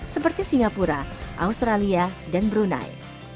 seperti singapura australia dan brunei